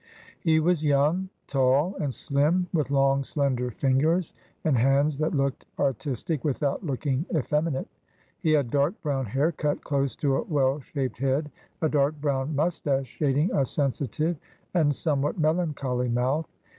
He was young, tall, and slim, with long slender fingers, and hands that looked artistic without looking effeminate. He had dark brown hair cut close to a well shaped head, a dark brown moustache shading a sensitive and somewhat melancholy mouth.